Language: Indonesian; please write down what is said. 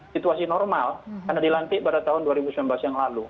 situasi normal karena dilantik pada tahun dua ribu sembilan belas yang lalu